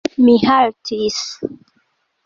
Mi haltis.